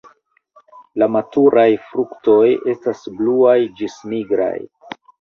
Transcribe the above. La maturaj fruktoj estas bluaj ĝis nigraj.